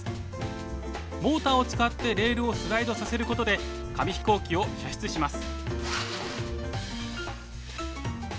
モーターを使ってレールをスライドさせることで紙飛行機を射出します。